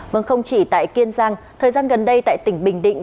vâng không chỉ tại kiên giang thời gian gần đây tại tỉnh bình định